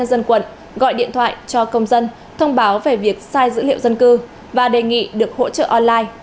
và không thực hiện bất kỳ một hoạt động dữ liệu dân cư nào qua hình thức online